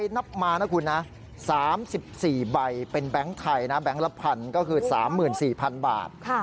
นับมา๓๔ใบเป็นแบงค์ไทยแบงค์ละพันก็คือ๓๔๐๐๐บาท